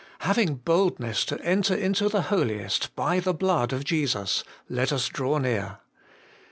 ' Having boldness to enter into the Holiest by the blood of Jesus, let us draw near.'